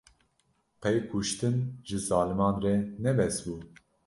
Qey kuştin, ji zaliman re ne bes bû